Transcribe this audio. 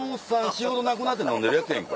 仕事なくなって飲んでるやつやん